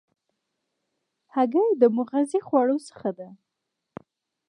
هګۍ د مغذي خوړو څخه ده.